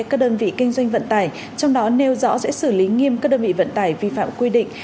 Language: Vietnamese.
các đơn vị kinh doanh vận tải trong đó nêu rõ sẽ xử lý nghiêm các đơn vị vận tải vi phạm quy định